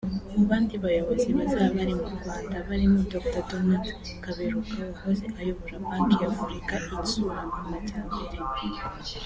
Mu bandi bayobozi bazaba bari mu Rwanda barimo Dr Donald Kaberuka wahoze ayobora Banki Nyafurika Itsura Amajyambere